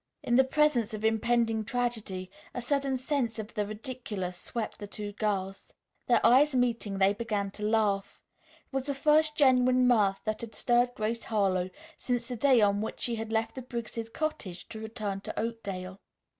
In the presence of impending tragedy a sudden sense of the ridiculous swept the two girls. Their eyes meeting, they began to laugh. It was the first genuine mirth that had stirred Grace Harlowe since the day on which she had left the Briggs' cottage to return to Oakdale.